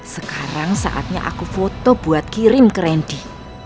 sekarang saatnya aku foto buat kirim ke randy